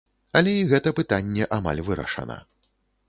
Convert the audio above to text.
Але і гэта пытанне амаль вырашана.